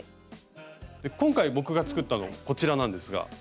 今回僕が作ったのこちらなんですが。